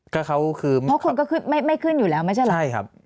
ก็เขาคือเพราะคนก็ขึ้นไม่ขึ้นอยู่แล้วไม่ใช่เหรอใช่ครับ